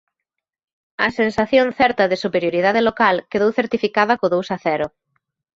A sensación certa de superioridade local quedou certificada co dous a cero.